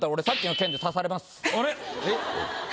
えっ？